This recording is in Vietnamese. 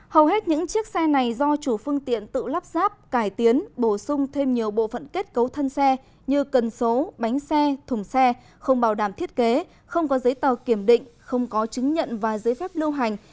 hầu hết những chiếc xe này do chủ phương tiện tự lắp ráp cải tiến bổ sung thêm nhiều bộ phận kết cấu thân xe như cần số bánh xe thùng xe không bảo đảm thiết kế không có giấy tờ kiểm định không có chứng nhận và giấy phép lưu hành